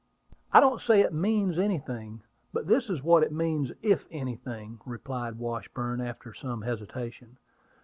"I don't say it means anything; but that is what it means, if anything," replied Washburn after some hesitation.